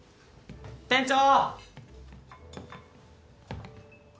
店長。